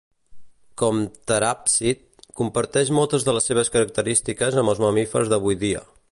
Com teràpsid, comparteix moltes de les seves característiques amb els mamífers d'avui dia.